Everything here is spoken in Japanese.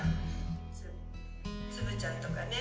つぶちゃんとかね。